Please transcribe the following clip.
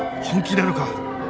本気なのか？